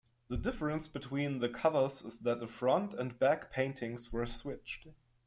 The difference between the covers is that the front and back paintings were switched.